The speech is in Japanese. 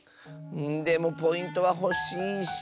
でもポイントはほしいし。